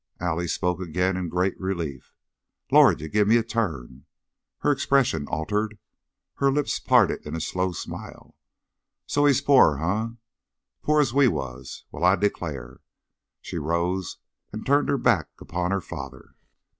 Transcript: Allie spoke again in great relief. "Lord! You give me a turn." Her expression altered, her lips parted in a slow smile. "So! He's pore, eh? Pore as we was. Well, I declare!" She rose and turned her back upon her father.